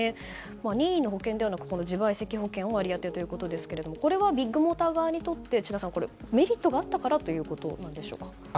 任意の保険ではなく自賠責保険の割り当てということですがこれはビッグモーター側にとって智田さん、メリットがあったからということなんでしょうか。